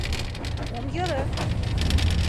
— Ом йӧрӧ?